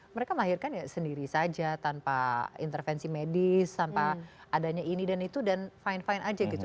mereka melahirkan ya sendiri saja tanpa intervensi medis tanpa adanya ini dan itu dan fine fine aja gitu